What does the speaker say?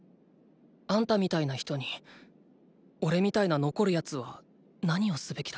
あんたみたいな人におれみたいな残る奴は何をすべきだ？